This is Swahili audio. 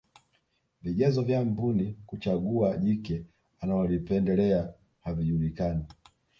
vigezo vya mbuni kuchagua jike analolipendelea havijulikani